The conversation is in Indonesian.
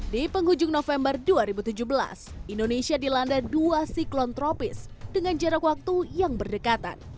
di penghujung november dua ribu tujuh belas indonesia dilanda dua siklon tropis dengan jarak waktu yang berdekatan